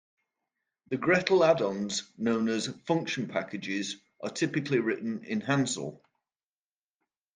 The gretl add-ons known as "function packages" are typically written in hansl.